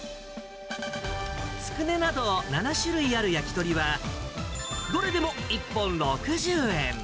つくねなど７種類ある焼き鳥は、どれでも１本６０円。